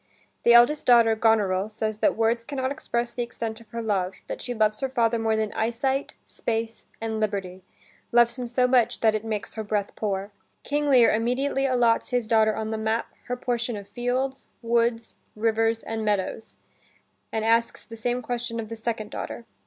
The eldest daughter, Goneril, says that words can not express the extent of her love, that she loves her father more than eyesight, space, and liberty, loves him so much that it "makes her breath poor." King Lear immediately allots his daughter on the map, her portion of fields, woods, rivers, and meadows, and asks the same question of the second daughter.